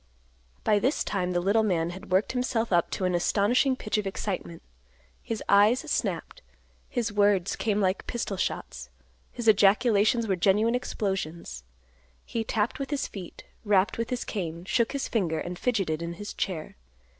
By this time the little man had worked himself up to an astonishing pitch of excitement; his eyes snapped; his words came like pistol shots; his ejaculations were genuine explosions. He tapped with his feet; rapped with his cane; shook his finger; and fidgeted in his chair.